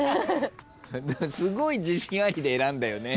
すごい自信ありで選んだよね？